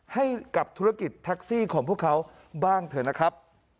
ให้กับธุรกิจแท็กซี่ของพวกเขาบ้างเถอะนะครับ